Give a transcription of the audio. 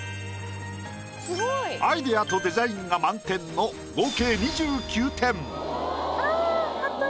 アイデアとデザインが満点の合計２９点。